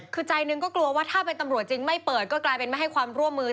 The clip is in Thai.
คือใจหนึ่งก็กลัวว่าถ้าเป็นตำรวจจริงไม่เปิดก็กลายเป็นไม่ให้ความร่วมมือ